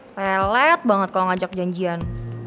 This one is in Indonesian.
pelet banget kalau ngajak janjian